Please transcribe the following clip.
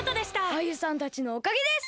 アユさんたちのおかげです！